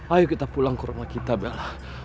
ayo kita pulang ke rumah kita bella